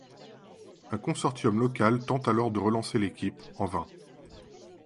Un consortium local tente alors de relancer l'équipe, en vain.